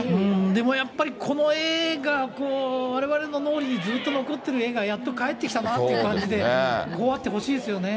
でもやっぱり、この絵がわれわれの脳裏にずっと残ってる絵が、やっと帰ってきたなっていう感じで、こうあってほしいですよね。